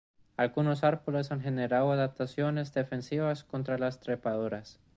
Algunos árboles han generado adaptaciones defensivas contra las trepadoras.